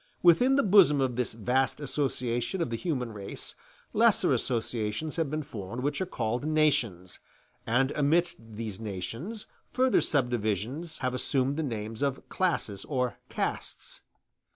Within the bosom of this vast association of the human race, lesser associations have been formed which are called nations; and amidst these nations further subdivisions have assumed the names of classes or castes.